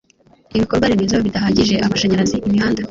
Ibikorwaremezo bidahagije amashanyarazi imihanda